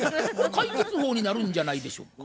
解決法になるんじゃないでしょうか？